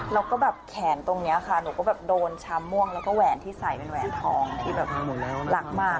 แล้วก็แบบแขนตรงนี้ค่ะหนูก็แบบโดนชามม่วงแล้วก็แหวนที่ใส่เป็นแหวนทองที่แบบหลังมาก